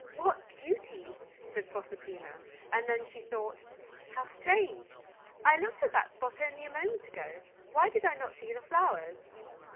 "What beauties!" said Proserpina, and then she thought, "How strange! I looked at that spot only a moment ago; why did I not see the flowers?"